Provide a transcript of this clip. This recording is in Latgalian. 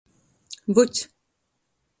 Vuts.